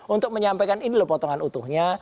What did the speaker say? untuk menyampaikan ini loh potongan utuhnya